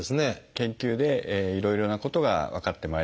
研究でいろいろなことが分かってまいりました。